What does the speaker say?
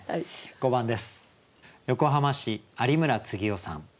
５番です。